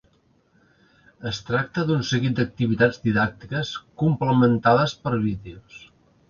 Es tracta d’un seguit d’activitats didàctiques complementades per vídeos.